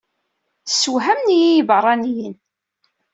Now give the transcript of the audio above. Ssewhamen-iyi yibeṛṛaniyen.